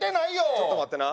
ちょっと待ってな。